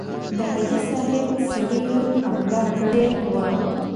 د حاجي صاحب سړیو حمله کړې وه.